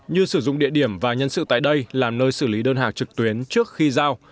như sử dụng địa điểm và nhân sự tại đây làm nơi xử lý đơn hàng trực tuyến trước khi giao